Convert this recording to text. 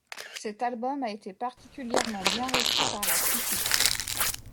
Cet album a été particulièrement bien reçu par la critique...